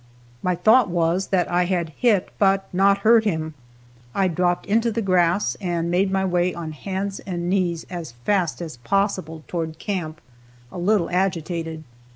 My thought was that I had hit, but not hurt him. I dropped into the grass and made my way on hands and knees as fast as possible toward camp, a little agitated.